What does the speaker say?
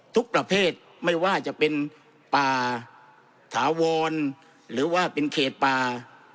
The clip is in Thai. ทุกประเภทไม่ว่าจะเป็นป่าถาวรหรือว่าเป็นเขตป่า